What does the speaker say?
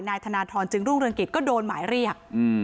นายธนาธรจึงรุงเรจิกก็โดนหมายเรียก